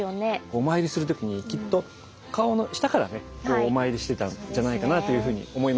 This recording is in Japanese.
お参りする時にきっと顔の下からねお参りしてたんじゃないかなというふうに思いますよね。